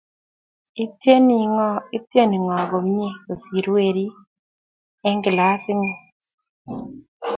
ityeni ng'o komye kosir werik Eng' kilasit ng'ung?